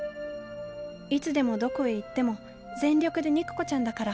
いつでもどこへ行っても全力で肉子ちゃんだから。